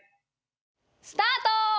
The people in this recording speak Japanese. スタート！